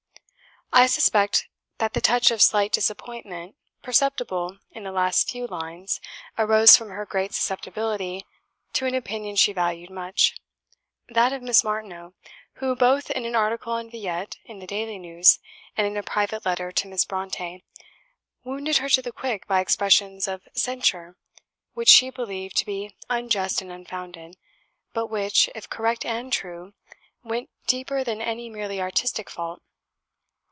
I suspect that the touch of slight disappointment, perceptible in the last few lines, arose from her great susceptibility to an opinion she valued much, that of Miss Martineau, who, both in an article on 'Villette' in the Daily News, and in a private letter to Miss Brontë, wounded her to the quick by expressions of censure which she believed to be unjust and unfounded, but which, if correct and true, went deeper than any merely artistic fault.